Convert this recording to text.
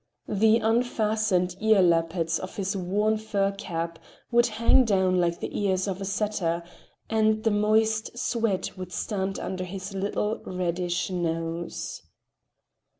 The unfastened ear lappets of his worn fur cap would hang down like the ears of a setter, and the moist sweat would stand under his little reddish nose.